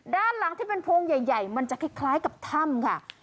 ด้านหลังที่เป็นโพงใหญ่มันจะคล้ายกับถ้ำค่ะ